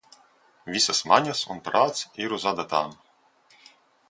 Visas maņas un prāts ir uz adatām.